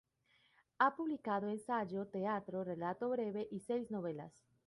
Ha publicado ensayo, teatro, relato breve y seis novelas.